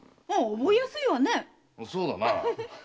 そうだな。